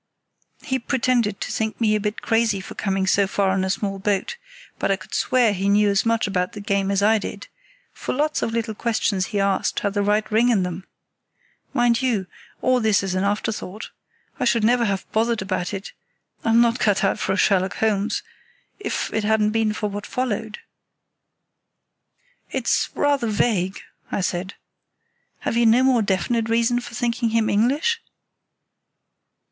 "He pretended to think me a bit crazy for coming so far in a small boat, but I could swear he knew as much about the game as I did; for lots of little questions he asked had the right ring in them. Mind you, all this is an afterthought. I should never have bothered about it—I'm not cut out for a Sherlock Holmes—if it hadn't been for what followed." "It's rather vague," I said. "Have you no more definite reason for thinking him English?"